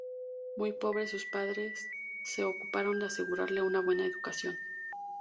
Muy pobres, sus padres se ocuparon de asegurarle una buena educación.